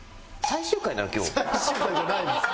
最終回じゃないです。